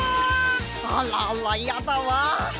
あらあらやだわ。